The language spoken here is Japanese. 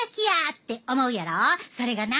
それがな